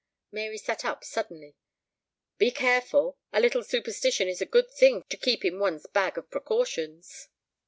Mary sat up suddenly. "Be careful. A little superstition is a good thing to keep in one's bag of precautions."